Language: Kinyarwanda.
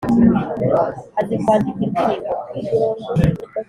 azi kwandika indirimbo pe